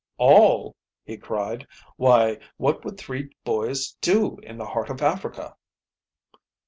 "All!" he cried. "Why, what would three boys do in the heart of Africa?"